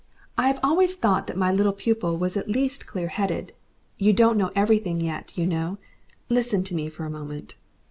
I have always thought that my little pupil was at least clear headed. You don't know everything yet, you know. Listen to me for a moment."